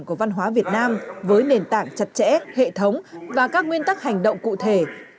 của văn hóa việt nam với nền tảng chặt chẽ hệ thống và các nguyên tắc hành động cụ thể